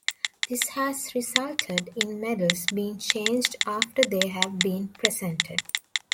This has resulted in medals being changed after they have been presented.